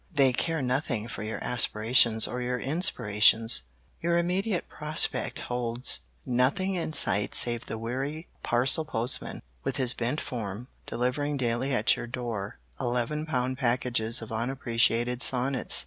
They care nothing for your aspirations or your inspirations. "Your immediate prospect holds nothing in sight save the weary parcel postman, with his bent form, delivering daily at your door eleven pound packages of unappreciated sonnets.